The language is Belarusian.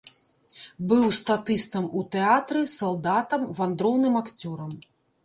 Быў статыстам у тэатры, салдатам, вандроўным акцёрам.